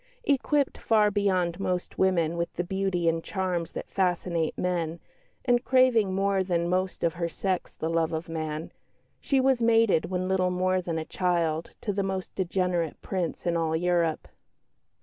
Equipped far beyond most women with the beauty and charms that fascinate men, and craving more than most of her sex the love of man, she was mated when little more than a child to the most degenerate Prince in all Europe.